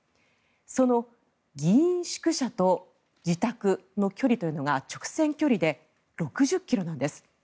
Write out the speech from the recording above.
その議員宿舎と自宅の距離というのが直線距離で６０ｋｍなんです。